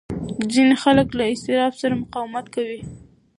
ځینې خلک له اضطراب سره مقاومت کوي.